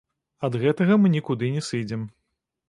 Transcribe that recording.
Ад гэтага мы нікуды не сыдзем.